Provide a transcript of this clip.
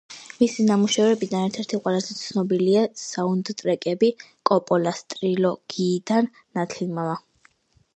მისი ნამუშევრებიდან ერთ-ერთი ყველაზე ცნობილია საუნდტრეკები კოპოლას ტრილოგიიდან ნათლიმამა.